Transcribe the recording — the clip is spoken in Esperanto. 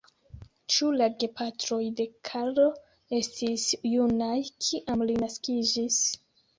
Ĉu la gepatroj de Karlo estis junaj, kiam li naskiĝis?